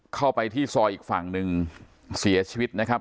เข้าไปที่ซอยอีกฝั่งหนึ่งเสียชีวิตนะครับ